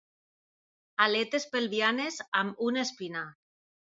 Aletes pelvianes amb una espina.